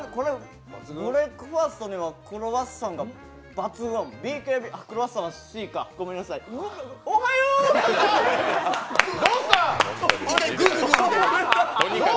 ブレックファーストにはクロワッサンが抜群、ＢＫＢ、クロワッサンはＣか、ごめんなさい、おはよーう！